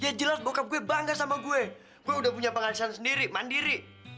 dia jelas bokap gue bangga sama gue gue udah punya penghasilan sendiri mandiri